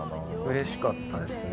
うれしかったですね。